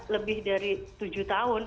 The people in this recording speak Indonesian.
lebih dari tujuh tahun